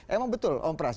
emang betul om pras